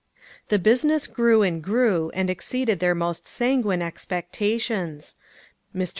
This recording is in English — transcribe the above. The business grew and grew, and exceeded their most sanguine expectations. Mr.